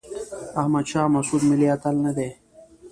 احمد شاه مسعود ملي اتل نه دی.